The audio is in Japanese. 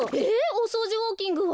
おそうじウォーキングは？